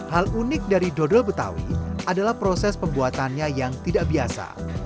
hal unik dari dodol betawi adalah proses pembuatannya yang tidak biasa